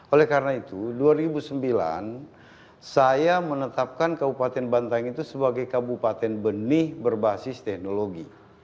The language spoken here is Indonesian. oleh karena itu dua ribu sembilan saya menetapkan kabupaten bantaing itu sebagai kabupaten benih berbasis teknologi